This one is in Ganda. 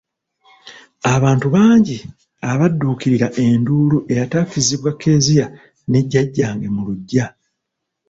Abantu bangi badduukirira enduulu eyatakizibwa Kezia ne Jjajjange mu luggya.